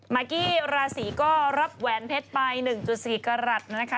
มากกี้ราศีก็รับแหวนเพชรไป๑๔กรัฐนะคะ